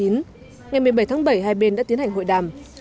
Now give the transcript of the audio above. ngày một mươi bảy tháng bảy hai bên đã tiến hành hội đàm